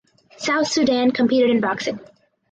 South Sudan competed in boxing.